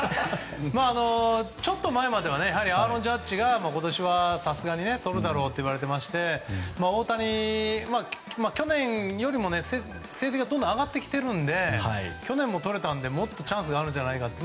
ちょっと前まではアーロン・ジャッジが今年はさすがにとるだろうといわれていまして大谷、去年よりも成績がどんどん上がってきているので去年も取れたのでもっとチャンスもあるんじゃないかと。